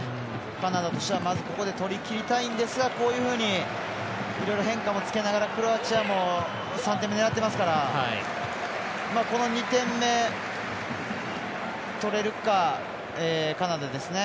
カナダとしては、まずここで取りきりたいんですがこういうふうにいろいろ変化もつけながらクロアチアも３点目、狙ってますからこの２点目取れるかカナダですね。